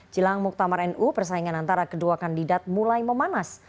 jelang muktamar nu persaingan antara kedua kandidat mulai memanas